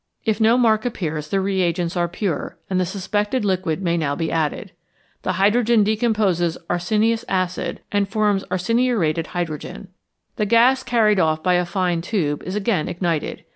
If no mark appears, the reagents are pure, and the suspected liquid may now be added. The hydrogen decomposes arsenious acid, and forms arseniuretted hydrogen. The gas carried off by a fine tube is again ignited.